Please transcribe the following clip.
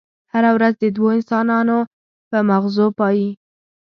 هره ورځ د دوو انسانانو په ماغزو پايي.